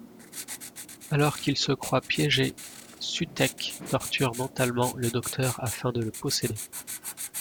Alors qu'il se croit piégé, Sutekh torture mentalement le Docteur afin de le posséder.